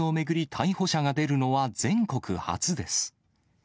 逮捕者が出るのは全国初です。